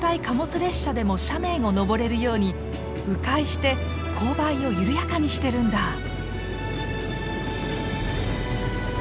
貨物列車でも斜面を登れるようにう回して勾配を緩やかにしてるんだ。